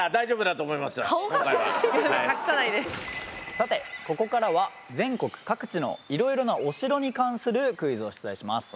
さてここからは全国各地のいろいろなお城に関するクイズを出題します。